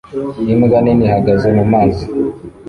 Imbwa nini ihagaze mumazi